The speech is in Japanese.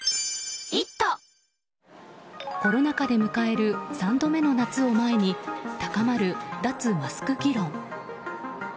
コロナ禍で迎える３度目の夏を前に高まる脱マスク議論。